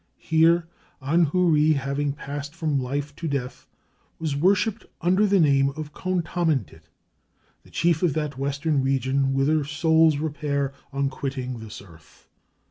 Here Anhuri, having passed from life to death, was worshipped under the name of Khontamentit, the chief of that western region whither souls repair on quitting this earth.